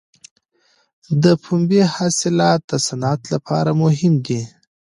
د پنبې حاصلات د صنعت لپاره مهم دي.